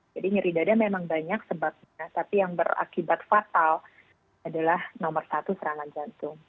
jadi nyeri dada memang banyak sebabnya tapi yang berakibat fatal adalah nomor satu serangan jantung